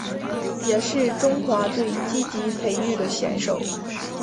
也是中华队积极培育的选手。